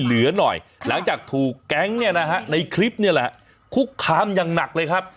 เหลือหน่อยหลังจากถูกแก๊งเนี่ยนะฮะในคลิปเนี่ยแหละคุกคามอย่างหนักเลยครับ